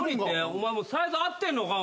お前サイズ合ってんのか？